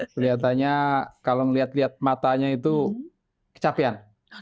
kelihatannya kalau melihat lihat matanya itu kecapian